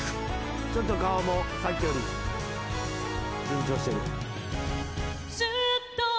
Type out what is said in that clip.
ちょっと顔もさっきより緊張してる。